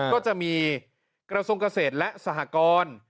ก็จะมีกระทรวงเกษตรและสหกร